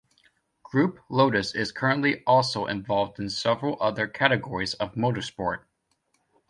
Group Lotus is currently also involved in several other categories of motorsport.